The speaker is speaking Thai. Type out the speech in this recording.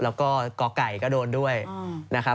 แล้วก็กไก่ก็โดนด้วยนะครับ